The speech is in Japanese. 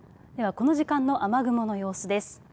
この時間の雨雲の様子です。